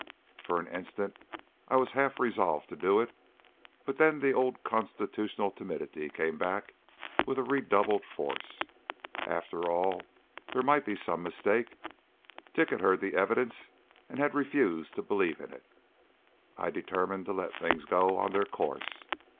For an instant I was half resolved to do it, but then the old constitutional timidity came back with redoubled force. After all there might be some mistake. Dick had heard the evidence and had refused to believe in it. I determined to let things go on their course.